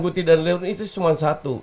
gue tidak lilin itu cuma satu